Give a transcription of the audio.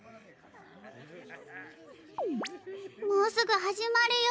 もうすぐ始まるよ。